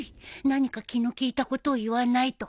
何か気の利いたことを言わないと